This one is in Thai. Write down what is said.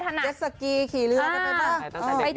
จั๊กษากีขี่เรือกาไปเป้ม